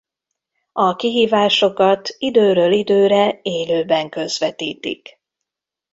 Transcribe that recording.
A kihívásokat időről időre élőben közvetítik.